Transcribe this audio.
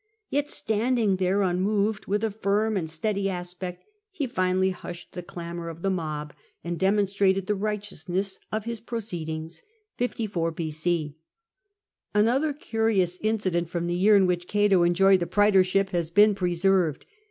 ''Yet, standing there unmoved, with a firm and steady aspect, he finally hushed the clamour of the mob, THE GIFTS OF FAVONIUS 225 and demonstrated the righteonsness of his proceedings [b.c. 54]. ^^^ Another curious incident from the year in which Oato enjoyed the praetorship has been preserved.